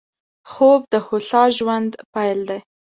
خوب د هوسا ژوند پيل دی